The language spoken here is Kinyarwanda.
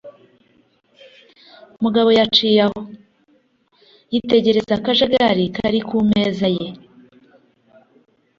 Mugabo yicaye aho, yitegereza akajagari kari ku meza ye.